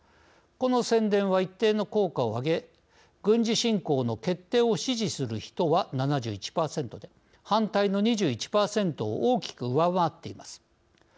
この宣伝は一定の効果を挙げ軍事侵攻の決定を支持する人は７１％で、反対の２１％を大きく上回っています。